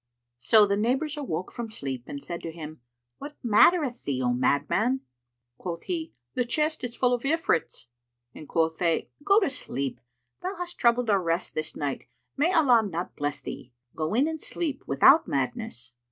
So the neighbours awoke from sleep and said to him, "What mattereth thee, O madman?" Quoth he, "The chest is full of Ifrits;" and quoth they, "Go to sleep; thou hast troubled our rest this night may Allah not bless thee! Go in and sleep, without madness."